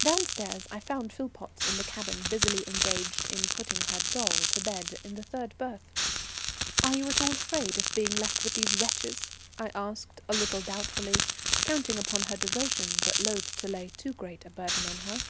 Down stairs I found Philpotts in the cabin, busily engaged in putting her "doll" to bed in the third berth. "Are you at all afraid of being left with these wretches?" I asked a little doubtfully, counting upon her devotion, but loth to lay too great a burden on her.